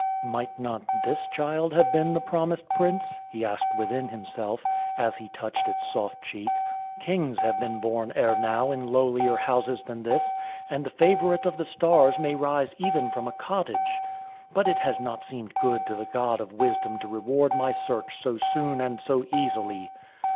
"Might not this child have been the promised Prince?" he asked within himself, as he touched its soft cheek. "Kings have been born ere now in lowlier houses than this, and the favourite of the stars may rise even from a cottage. But it has not seemed good to the God of wisdom to reward my search so soon and so easily.